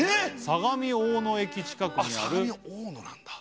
相模大野駅近くにある相模大野なんだ